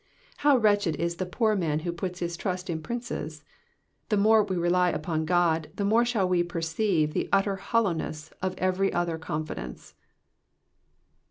How wretched is that poor man who puts his trust in princes. Th*^ more we rely upon God, the more shall we perceive the utter hollowness of every other confidence.